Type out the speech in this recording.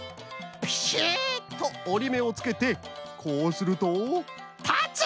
ピシッとおりめをつけてこうするとたつ！